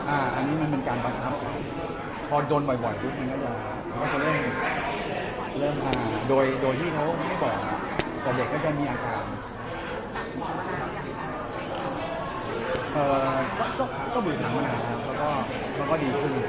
อันนั้นมันเป็นการบันทับพอโดนบ่อยทุกทีแล้วจะเริ่มโดยที่เขาไม่บอกแต่เด็กก็จะมีอาจารย์